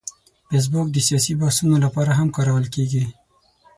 فېسبوک د سیاسي بحثونو لپاره هم کارول کېږي